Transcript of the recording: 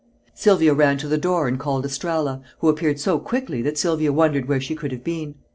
Sylvia ran to the door and called Estralla, who appeared so quickly that Sylvia wondered where she could have been.